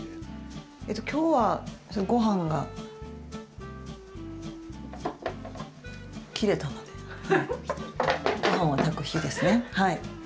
今日はごはんが切れたのでごはんを炊く日ですね。